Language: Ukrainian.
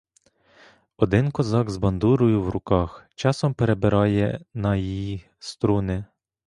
Один козак з бандурою в руках, — часом перебирає на їй струни.